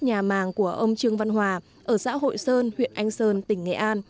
nhà màng của ông trương văn hòa ở xã hội sơn huyện anh sơn tỉnh nghệ an